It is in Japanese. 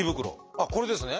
あっこれですね。